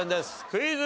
クイズ。